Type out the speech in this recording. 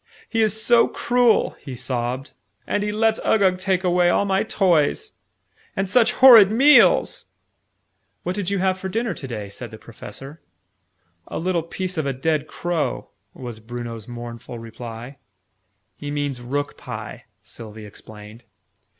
"He is so cruel!" he sobbed. "And he lets Uggug take away all my toys! And such horrid meals!" "What did you have for dinner to day?" said the Professor. "A little piece of a dead crow," was Bruno's mournful reply. "He means rook pie," Sylvie explained.